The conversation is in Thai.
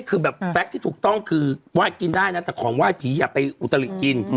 คือคือต้องคือไหว้กินได้นะแต่ของไหว้ผีอย่าไปอุตริกิน